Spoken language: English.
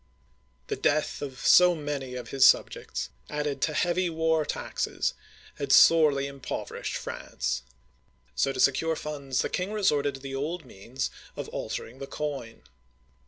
The death of so many of his subjects, added to heavy war taxes, had sorely impoverished France ; so, to secure funds, the king resorted to the old means of altering the coin.